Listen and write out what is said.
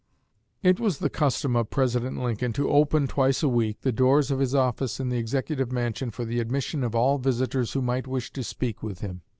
It was the custom of President Lincoln to open, twice a week, the doors of his office in the Executive Mansion for the admission of all visitors who might wish to speak with him.